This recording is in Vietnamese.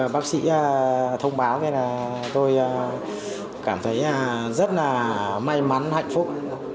bác sĩ thông báo cho tôi cảm thấy rất là may mắn hạnh phúc